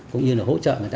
cũng như là hỗ trợ người ta